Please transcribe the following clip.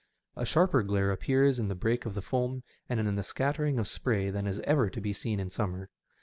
A sharper glare appears in the break of the foam and in the scattering of spray than is ever to be seen in summer.